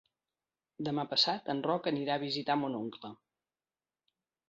Demà passat en Roc anirà a visitar mon oncle.